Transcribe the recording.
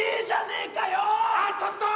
ああちょっと！